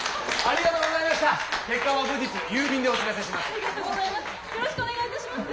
ありがとうございます。